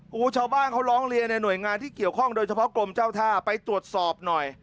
โอ้โหชาวบ้านเขาร้องเรียนในหน่วยงานที่เกี่ยวข้องโดยเฉพาะกรมเจ้าท่าไปตรวจสอบหน่อย